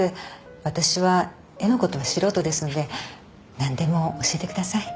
私は絵のことは素人ですので何でも教えてください。